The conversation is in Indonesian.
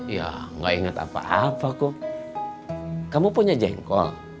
ya gak ingat apa apa kok kamu punya jengkol